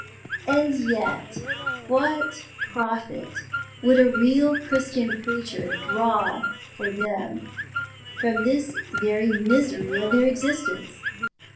And yet what profit would a real Christian preacher draw for them from this very misery of their existence!